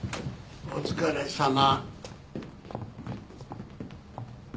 お疲れさま。